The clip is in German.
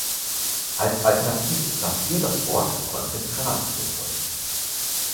Als Alternative ist hier auch das Wort "Konzentrat" gebräuchlich.